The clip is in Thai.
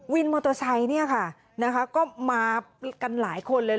วินมอเตอร์ไซต์ก็มากันหลายคนเลย